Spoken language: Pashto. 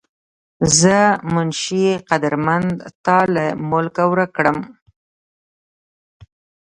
زۀ منشي قدرمند تا لۀ ملکه ورک کړم